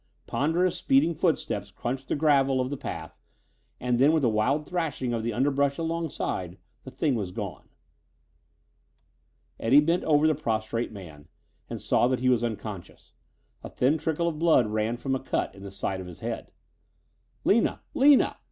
Ponderous, speeding footsteps crunched the gravel of the path, and then, with a wild thrashing of the underbrush alongside, the thing was gone. Eddie bent over the prostrate man and saw that he was unconscious. A thin trickle of blood ran from a cut in the side of his head. "Lina! Lina!"